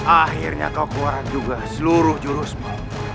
akhirnya kau keluar juga seluruh jurusmu